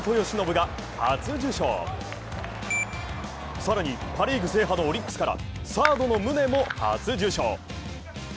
さらに、パ・リーグ制覇とオリックスからサードの宗も初受賞。